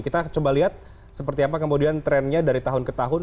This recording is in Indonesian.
kita coba lihat seperti apa kemudian trennya dari tahun ke tahun